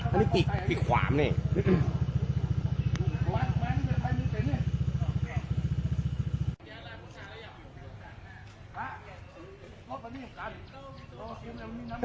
อันนี้ติดติดขวามเนี้ย